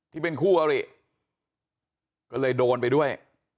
ที่เป็นคู่อริก็เลยโดนไปด้วย